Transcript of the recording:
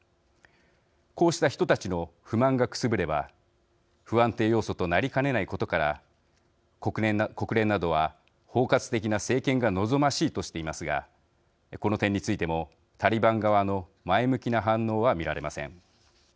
こうした人たちの不満がくすぶれば不安定要素となりかねないことから国連などは、包括的な政権が望ましいとしていますがこの点についても、タリバン側の前向きな反応は見られません。